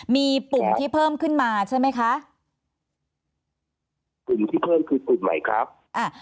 มีปุ่มที่เพิ่มขึ้นมาใช่ไหมคะกลุ่มที่เพิ่มคือกลุ่มใหม่ครับอ่า